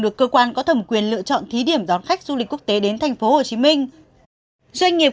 lưu hành có thẩm quyền lựa chọn thí điểm đón khách du lịch quốc tế đến tp hcm doanh nghiệp